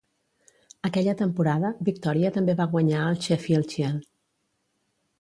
Aquella temporada, Victòria també va guanyar el Sheffield Shield.